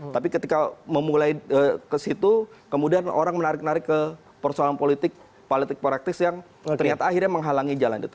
tapi ketika memulai ke situ kemudian orang menarik narik ke persoalan politik praktis yang ternyata akhirnya menghalangi jalan itu